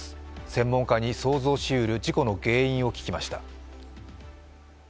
専門家に想像しうる事故の原因を聞きました。